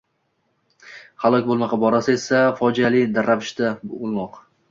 Halok boʻlmoq iborasi esa fojiali ravishda oʻlmoq